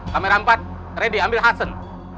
kamera empat ready ambil hassen